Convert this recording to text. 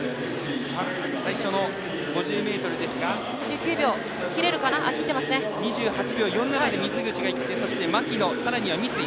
最初の５０ｍですが２８秒４７で水口がいって牧野、そして三井。